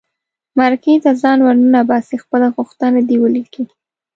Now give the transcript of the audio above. مرکې ته ځان ور ننباسي خپله غوښتنه دې ولیکي.